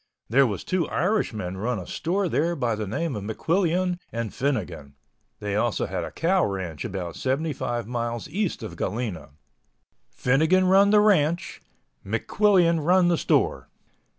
There was two Irishmen run a store there by the name of McQuillian and Finnegan. They also had a cow ranch about 75 miles east of Galena. Finnegan run the ranch, McQuillian run the store.